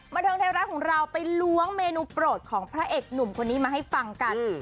บันเทิงไทยรัฐของเราไปล้วงเมนูโปรดของพระเอกหนุ่มคนนี้มาให้ฟังกัน